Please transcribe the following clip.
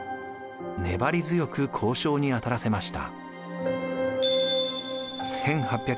粘り強く交渉に当たらせました。